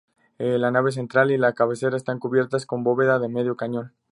La nave central y la cabecera están cubiertas con bóveda de medio cañón.